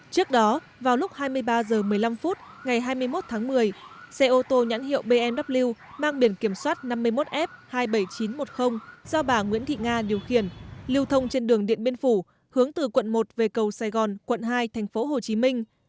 trước đó vào lúc hai mươi ba h một mươi năm phút ngày hai mươi một tháng một mươi xe ô tô nhãn hiệu bmw mang biển kiểm soát năm mươi một f hai mươi bảy nghìn chín trăm một mươi do bà nguyễn thị nga điều khiển lưu thông trên đường điện biên phủ hướng từ quận một về cầu sài gòn quận hai thành phố hồ chí minh